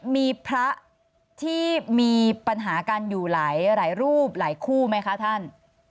มีพระที่มีปัญหากันอยู่หลายรูปหลายคู่ไหมคะท่าน